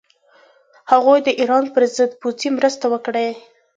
هغوی د ایران پر ضد پوځي مرسته وکړي.